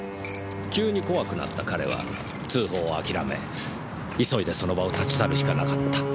急に怖くなった彼は通報を諦め急いでその場を立ち去るしかなかった。